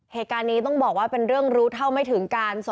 เหตุการณ์นี้ต้องบอกว่าเป็นเรื่องรู้เท่าไม่ถึงการ